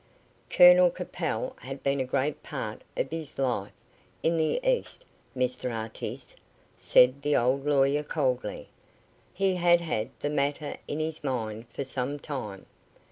"Colonel Capel had been a great part of his life in the East, Mr Artis," said the old lawyer, coldly. "He had had the matter in his mind for some time."